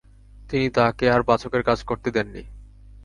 তিনি তাঁকে আর পাচকের কাজ করতে দেননি।